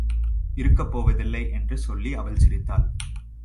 இருக்கப் போவதில்லை! என்று சொல்லி அவள் சிரித்தாள்!